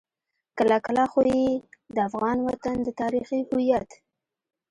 کله کله خو يې د افغان وطن د تاريخي هويت.